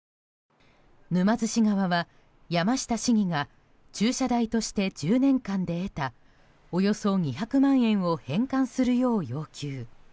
沼津市側は、山下市議が駐車代として１０年間で得たおよそ２００万円を返還するよう要求。